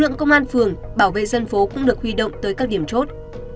ngoan phường bảo vệ dân phố cũng được huy động tới các điểm chốt